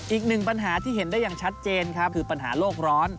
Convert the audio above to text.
อีกหนึ่งปัญหาที่เห็นได้อย่างชัดเจนครับคือปัญหาโลกร้อน